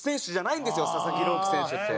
佐々木朗希選手って。